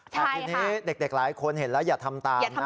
แต่ทีนี้เด็กหลายคนเห็นแล้วอย่าทำตามนะ